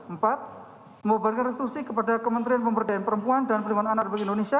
empat membubarkan restitusi kepada kementerian pemberdayaan perempuan dan perlindungan anak republik indonesia